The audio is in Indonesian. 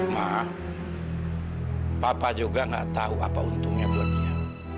ma papa juga gak tahu apa untungnya buat dia